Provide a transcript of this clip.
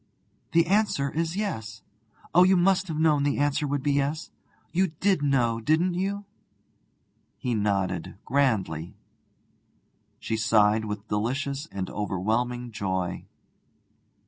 'The answer is yes. Oh, you must have known the answer would be yes! You did know, didn't you?' He nodded grandly. She sighed with delicious and overwhelming joy.